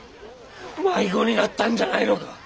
迷子になったんじゃないのか。